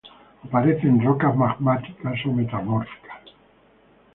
Aparece en rocas magmáticas o metamórficas.